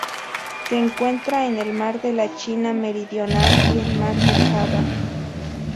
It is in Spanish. Se encuentra en el Mar de la China Meridional y el Mar de Java.